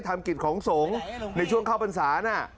กิจของสงฆ์ในช่วงเข้าพรรษาน่ะ